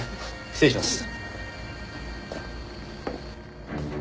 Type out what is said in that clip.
失礼します。